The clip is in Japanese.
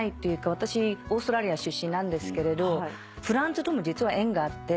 私オーストラリア出身なんですけれどフランスとも実は縁があって。